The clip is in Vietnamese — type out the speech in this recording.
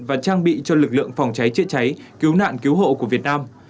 và trang bị cho lực lượng phòng cháy chữa cháy cứu nạn cứu hộ của việt nam